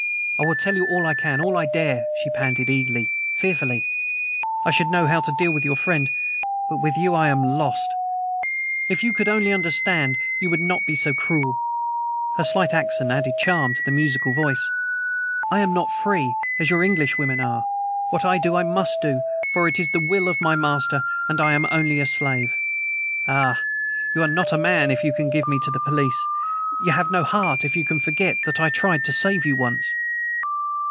"I will tell you all I can all I dare," she panted eagerly, fearfully. "I should know how to deal with your friend, but with you I am lost! If you could only understand you would not be so cruel." Her slight accent added charm to the musical voice. "I am not free, as your English women are. What I do I must do, for it is the will of my master, and I am only a slave. Ah, you are not a man if you can give me to the police. You have no heart if you can forget that I tried to save you once."